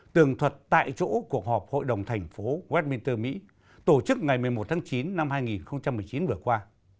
tường thuật tại chỗ cuộc họp hội đồng thành phố westminster mỹ tổ chức ngày một mươi một tháng chín năm hai nghìn một mươi chín vừa qua